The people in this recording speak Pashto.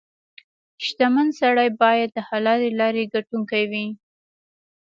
• شتمن سړی باید د حلالې لارې ګټونکې وي.